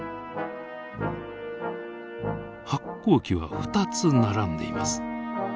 発光器は２つ並んでいます。